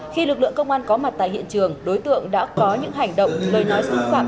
khi lực lượng công an có mặt tại hiện trường đối tượng đã có những hành động lời nói xúc phạm